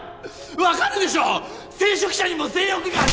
わかるでしょ聖職者にも性欲が。